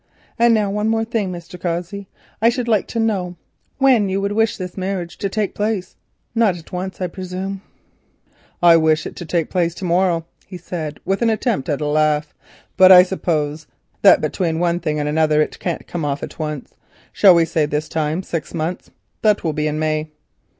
And now one more thing, Mr. Cossey; I should like to know when you would wish this marriage to take place; not yet, I presume?" "I could wish it to take place to morrow," he said with an attempt at a laugh; "but I suppose that between one thing and another it can't come off at once. Shall we say this time six months, that will be in May?"